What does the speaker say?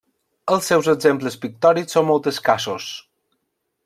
Els seus exemples pictòrics són molt escassos.